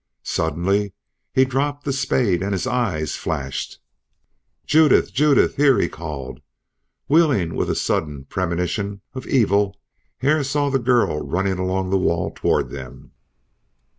Suddenly he dropped the spade and his eyes flashed. "Judith! Judith! Here!" he called. Wheeling with a sudden premonition of evil Hare saw the girl running along the wall toward them.